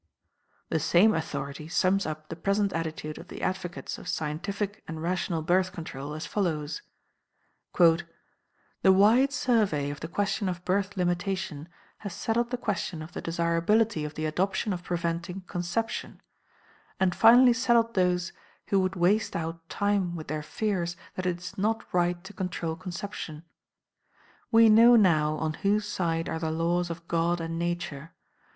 The same authority sums up the present attitude of the advocates of scientific and rational Birth Control, as follows: "The wide survey of the question of birth limitation has settled the question of the desirability of the adoption of preventing conception, and finally settled those who would waste out time with their fears that it is not right to control conception. We know now on whose side are the laws of God and Nature.